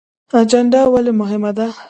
اجنډا ولې مهمه ده؟